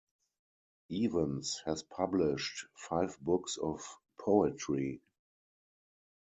Evans has published five books of poetry.